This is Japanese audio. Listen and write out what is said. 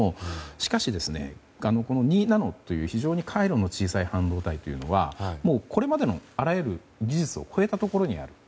しかし、この２ナノという非常に回路の小さい半導体というのはこれまでのあらゆる技術を超えたところにある。